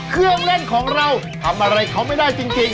เครื่องเล่นของเราทำอะไรเขาไม่ได้จริง